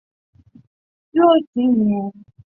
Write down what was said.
四手井纲正为日本陆军军人。